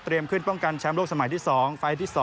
เตรียมขึ้นป้องกันแชมป์โลกสมัยที่๒